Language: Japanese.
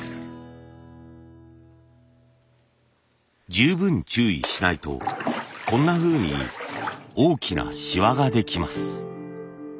十分注意しないとこんなふうに大きなしわができます。